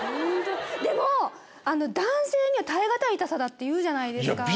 でも男性には耐え難い痛さだっていうじゃないですか。